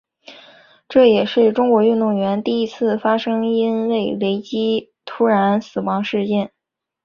这也是中国运动员中第一次发生因为雷击突然死亡的事件。